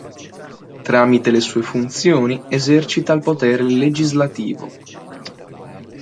Tramite le sue funzioni, esercita il potere legislativo.